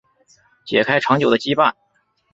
解开长久的羁绊